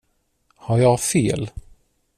Har jag fel?